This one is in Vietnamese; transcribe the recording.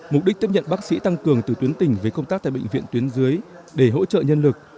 mục đích tiếp nhận bác sĩ tăng cường từ tuyến tỉnh về công tác tại bệnh viện tuyến dưới để hỗ trợ nhân lực